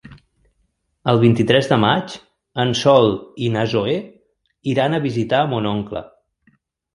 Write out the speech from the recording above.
El vint-i-tres de maig en Sol i na Zoè iran a visitar mon oncle.